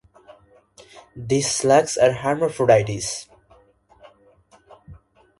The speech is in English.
These slugs are hermaphrodites.